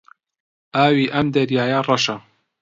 ئاوی ئەم دەریایە ڕەشە.